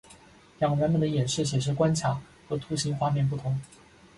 两个版本的演示显示关卡和图形画面不同。